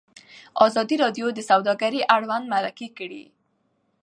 ازادي راډیو د سوداګري اړوند مرکې کړي.